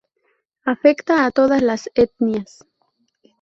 Afecta a todas las etnias.